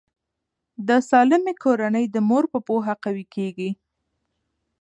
د سالمې کورنۍ د مور په پوهه قوي کیږي.